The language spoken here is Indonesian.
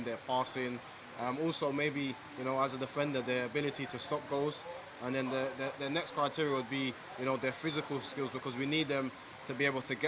dan kemudian mereka memiliki kemampuan fisik karena mereka harus bisa berdiri di atas papan bergolongan dan bergolongan